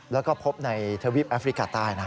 แล้วก็พบในทวีปแอฟริกาใต้นะ